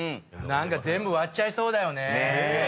何か全部割っちゃいそうだよねぇ。